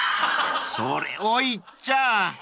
［それを言っちゃあ］